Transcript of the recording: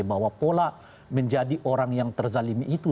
bahwa pola menjadi orang yang terzalimi itu